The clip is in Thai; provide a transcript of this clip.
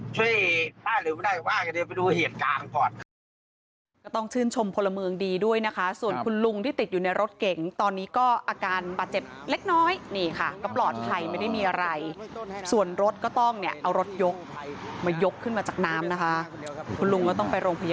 ช่วยถ้าหรือไม่ได้อ้าวเดี๋ยวไปดูเหตุการณ์ก่อน